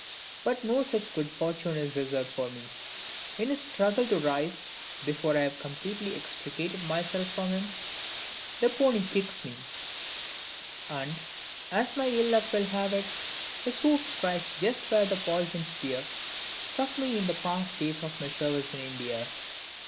But no such good fortune is reserved for me. In his struggles to rise, before I have completely extricated myself from him, the pony kicks me; and, as my ill luck will have it, his hoof strikes just where the poisoned spear struck me in the past days of my service in India.